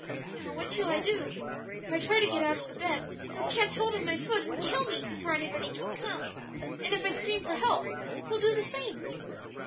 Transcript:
But now what shall I do? If I try to get out of the bed, he'll catch hold of my foot and kill me before anybody can come; and if I scream for help, he'll do the same.